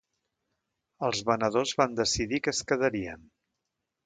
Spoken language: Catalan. Els venedors van decidir que es quedarien.